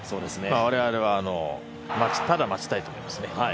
我々はただ待ちたいと思いますね。